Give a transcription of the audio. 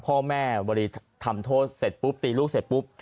พ่อแม่บริทำโทษเสร็จปุ๊บตีลูกเสร็จปุ๊บ